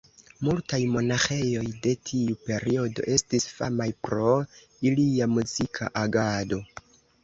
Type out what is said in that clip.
Multaj monaĥejoj de tiu periodo estis famaj pro ilia muzika agado.